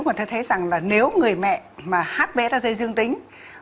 còn thấy rằng nếu người mẹ hb sag dương tính